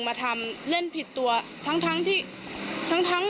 ไม่รู้จักจริง